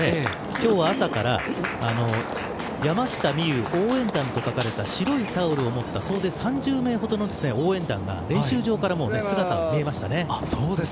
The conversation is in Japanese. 今日は朝から山下美夢有応援団と書かれた白いタオルを持った総勢３０名ほどの応援団が練習場から姿が見えました。